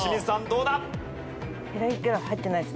どうだ？